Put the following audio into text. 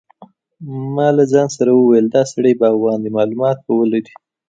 ما له ځان سره وویل چې دا سړی باغوان دی معلومات به ولري.